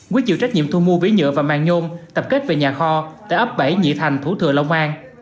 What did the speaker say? quý chịu trách nhiệm thu mua vỉ nhựa và màng nhôm tập kết về nhà kho tại ấp bảy nhị thành thủ thừa long an